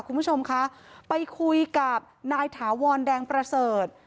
คุณผู้ชมคะไปคุยกับนายถาวรแดงประเสริฐ